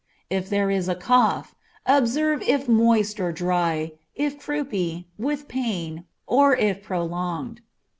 If there is cough, observe if moist or dry, if croupy, if with pain, or if prolonged.